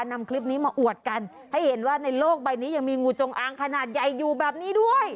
นำคลิปนี้มาอวดกันให้เห็นว่าในโลกใบนี้ยังมีงูจงอางขนาดใหญ่อยู่แบบนี้ด้วย